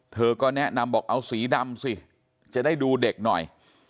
เธอก็แนะนำบอกเอาสีดำสิจะได้ดูเด็กหน่อย